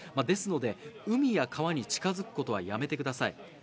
ですので、海や川に近づくことはやめてください。